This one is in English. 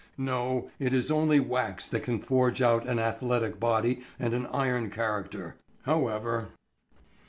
No, it is only wax that can forge out an athletic body and an iron character. However